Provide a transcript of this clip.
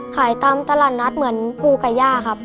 ขายตามตลาดนัดเหมือนภูไก่ย่าครับ